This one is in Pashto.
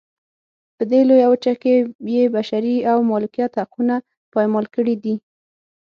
په دې لویه وچه کې یې بشري او مالکیت حقونه پایمال کړي دي.